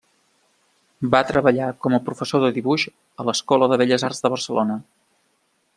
Va treballar com a professor de dibuix a l'Escola de Belles Arts de Barcelona.